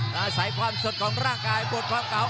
น่าใส่ความสดของร่างกายปวดความกล่าว